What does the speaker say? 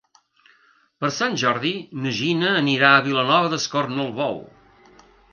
Per Sant Jordi na Gina anirà a Vilanova d'Escornalbou.